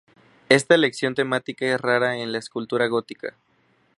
Esta elección temática es rara en la escultura gótica.